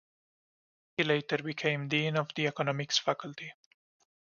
He later became dean of the economics faculty.